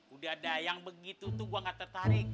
udah ada yang begitu tuh gue gak tertarik